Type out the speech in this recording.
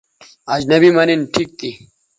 اجنبی مہ نِن ٹھیک تھی